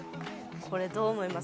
これどう思います？